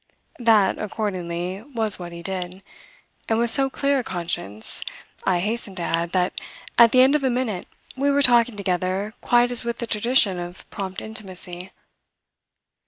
That, accordingly, was what he did, and with so clear a conscience, I hasten to add, that at the end of a minute we were talking together quite as with the tradition of prompt intimacy.